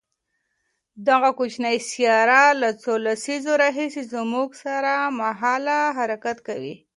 دغه کوچنۍ سیاره له څو لسیزو راهیسې زموږ سره هممهاله حرکت کوي.